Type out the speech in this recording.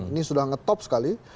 ini sudah ngetop sekali